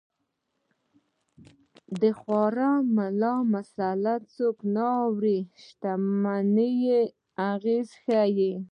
د خوار ملا مساله څوک نه اوري د شتمنۍ اغېز ښيي